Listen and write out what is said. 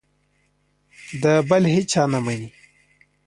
د بل هېچا نه مني.